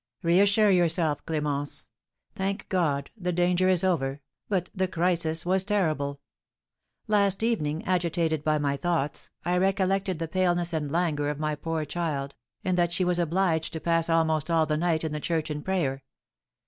Reassure yourself, Clémence! Thank God, the danger is over, but the crisis was terrible! Last evening, agitated by my thoughts, I recollected the paleness and languor of my poor child, and that she was obliged to pass almost all the night in the church in prayer.